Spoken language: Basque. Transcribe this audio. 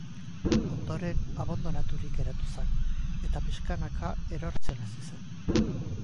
Ondoren abandonaturik geratu zen, eta pixkanaka erortzen hasi zen.